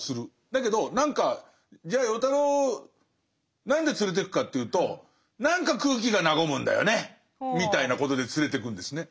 だけど何かじゃあ与太郎何で連れてくかというと何か空気が和むんだよねみたいなことで連れてくんですね。